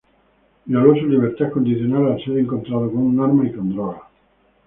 Violó su libertad condicional al ser encontrado con un arma y con drogas.